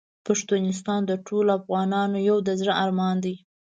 پښتونستان د ټولو افغانانو یو د زړه ارمان دی .